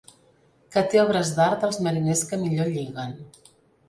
Que té obres d'art dels mariners que millor lliguen.